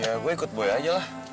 ya gue ikut boy aja lah